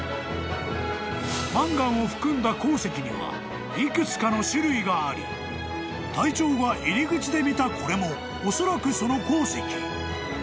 ［マンガンを含んだ鉱石にはいくつかの種類があり隊長が入り口で見たこれもおそらくその鉱石］